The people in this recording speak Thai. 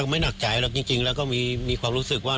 ไม่หนักใจหรอกจริงแล้วก็มีความรู้สึกว่า